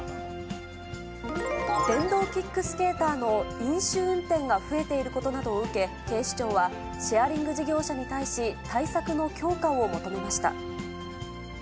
電動キックスケーターの飲酒運転が増えていることなどを受け、警視庁は、シェアリング事業者に対し、対策の強化を求めました。